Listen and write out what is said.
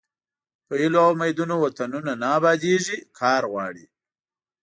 په هیلو او امیدونو وطنونه نه ابادیږي کار غواړي.